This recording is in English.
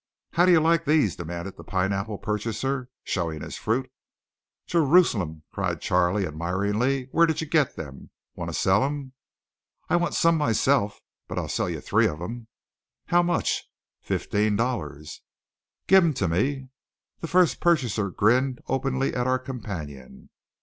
"How do you like these?" demanded the pineapple purchaser, showing his fruit. "Jerusalem!" cried Charley admiringly, "where did you get them? Want to sell 'em?" "I want some myself, but I'll sell you three of them." "How much?" "Fifteen dollars." "Give 'em to me." The first purchaser grinned openly at our companion.